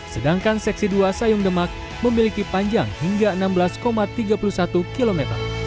sedangkan seksi dua sayung demak memiliki panjang hingga enam belas tiga puluh satu km